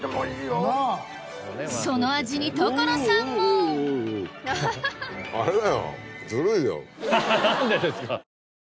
その味に所さんもあれだよ。